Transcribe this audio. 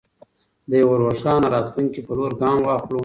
د یوه روښانه راتلونکي په لور ګام واخلو.